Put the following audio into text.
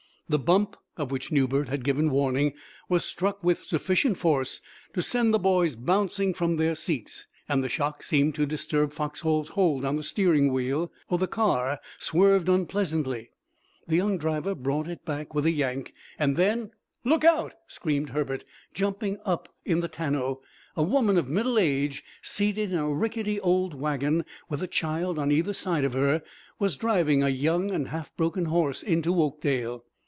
The "bump" of which Newbert had given warning was struck with sufficient force to send the boys bouncing from their seats, and the shock seemed to disturb Foxhall's hold on the steering wheel, for the car swerved unpleasantly. The young driver brought it back with a yank, and then "Look out!" screamed Herbert, jumping up in the tonneau. A woman of middle age, seated in a rickety old wagon, with a child on either side of her, was driving a young and half broken horse into Oakdale.